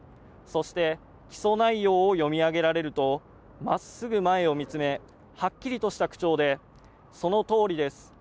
そして起訴内容を読み上げられるとまっすぐ前を見つめはっきりとした口調でそのとおりです。